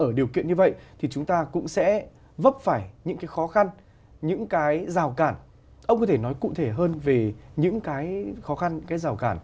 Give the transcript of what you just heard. với những chuyện như vậy thì chúng ta cũng sẽ vấp phải những cái khó khăn những cái rào cản ông có thể nói cụ thể hơn về những cái khó khăn những cái rào cản